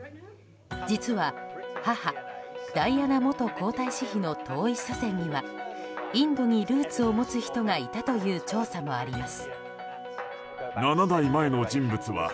実は、母・ダイアナ元皇太子妃の遠い祖先にはインドにルーツを持つ人がいたという調査もあります。